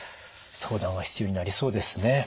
相談は必要になりそうですね。